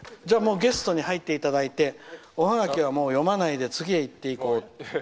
じゃあゲストに入っていただいておハガキは読まないで次へ行っていこう。